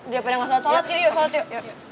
daripada yang gak sholat sholat yuk yuk sholat yuk